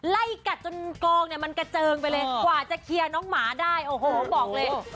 ไล่กัดจนกองเนี่ยมันกระเจิงไปเลยกว่าจะเคลียร์น้องหมาได้โอ้โหบอกเลย